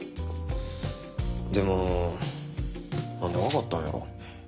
でも何で分かったんやろ。